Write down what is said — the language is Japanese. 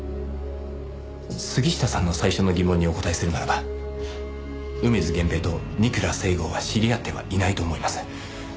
杉下さんの最初の疑問にお答えするならば梅津源平と美倉成豪は知り合ってはいないと思います。